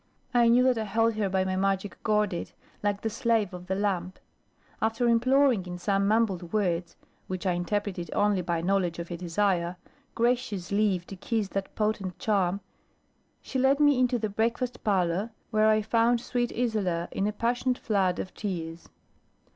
I knew that I held her by my magic gordit, like the slave of the lamp. After imploring in some mumbled words (which I interpreted only by knowledge of her desire) gracious leave to kiss that potent charm, she led me into the breakfast parlour, where I found sweet Isola in a passionate flood of tears.